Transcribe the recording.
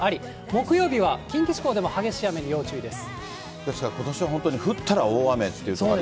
木曜日は近畿地方でも激しい雨に要注意です。